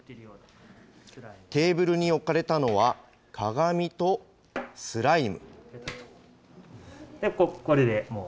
テーブルに置かれたのは鏡とスライム。